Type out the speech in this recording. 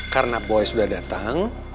karena boy sudah dateng